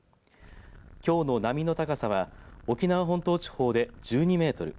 きょうの波の高さは沖縄本島地方で１２メートル